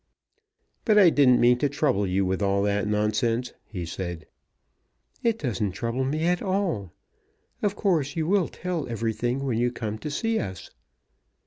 "But I didn't mean to trouble you with all that nonsense," he said. "It doesn't trouble me at all. Of course you will tell us everything when you come to see us."